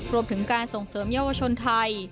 รวมถึงการส่งเสริมเยาวชนไทย